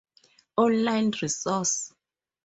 Online resource.